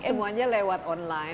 dan semuanya lewat online